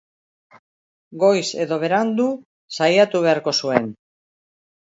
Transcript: Goiz edo berandu, saiatu beharko zuen.